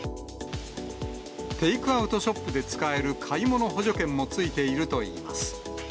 テイクアウトショップで使える買い物補助券もついているといいます。